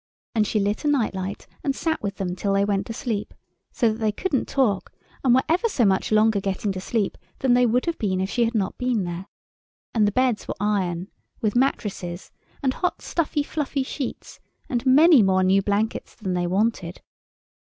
And she lit a night light, and sat with them till they went to sleep, so that they couldn't talk, and were ever so much longer getting to sleep than they would have been if she had not been there. And the beds were iron, with mattresses and hot, stuffy, fluffy sheets and many more new blankets than they wanted.